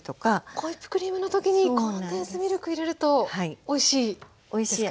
ホイップクリームの時にコンデンスミルク入れるとおいしいですか？